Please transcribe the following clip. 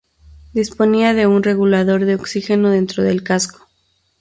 Disponía de un regulador de oxígeno dentro del casco.